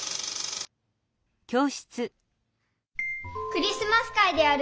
クリスマス会でやる